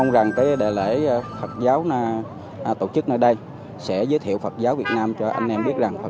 những ước nguyện của mình